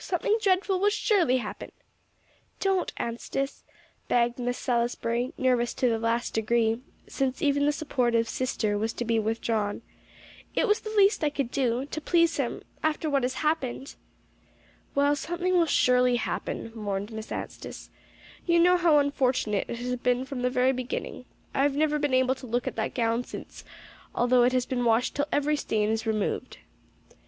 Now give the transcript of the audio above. Something dreadful will surely happen." "Don't, Anstice," begged Miss Salisbury, nervous to the last degree, since even the support of "sister" was to be withdrawn. "It was the least I could do, to please him after what has happened." "Well, something will surely happen," mourned Miss Anstice. "You know how unfortunate it has been from the very beginning. I've never been able to look at that gown since, although it has been washed till every stain is removed."